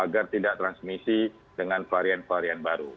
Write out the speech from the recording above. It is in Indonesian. agar tidak transmisi dengan varian varian baru